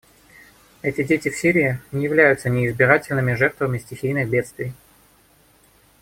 Эти дети в Сирии не являются неизбирательными жертвами стихийных бедствий.